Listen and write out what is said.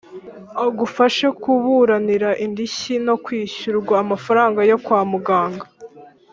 agufashe kuburanira indishyi no kwishyurwa amafaranga yo kwa muganga,